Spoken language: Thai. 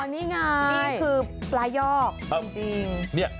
นี่คือปลายอกจริง